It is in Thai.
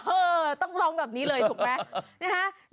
เออต้องร้องแบบนี้เลยถูกไหม